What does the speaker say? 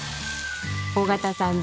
尾形さん